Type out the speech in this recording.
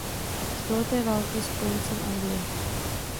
Stoleté války spojencem Anglie.